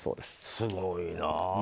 すごいな。